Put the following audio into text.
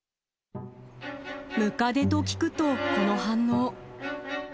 ムカデと聞くと、この反応。